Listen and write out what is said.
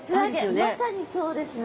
まさにそうですね。